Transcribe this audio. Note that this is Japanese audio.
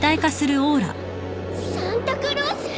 サンタクロース！？